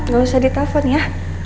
gak usah ditelepon ya